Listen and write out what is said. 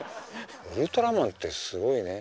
「ウルトラマン」ってすごいね。